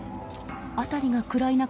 辺りが暗い中